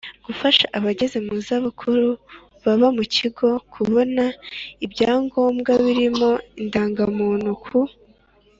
Gufasha abageze mu zabukuru baba mu bigo kubona ibyangombwa birimo indangamuntu ku